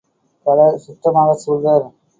பலர், சுற்றமாகச் சூழ்வர்.